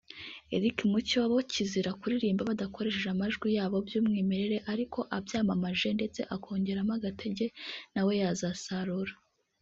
Eric Mucyo… bo kizira kuririmba badakoresheje amajwi yabo by’umwimerere ariko abyamamaje ndetse akongeramo agatege na we yazasarura